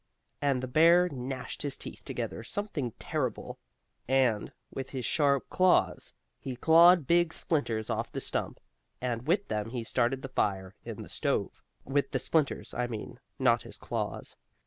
and the bear gnashed his teeth together something terrible, and, with his sharp claws, he clawed big splinters off the stump, and with them he started the fire in the stove, with the splinters, I mean, not his claws.